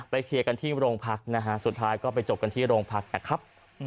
เคลียร์กันที่โรงพักนะฮะสุดท้ายก็ไปจบกันที่โรงพักนะครับ